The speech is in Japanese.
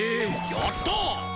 やった！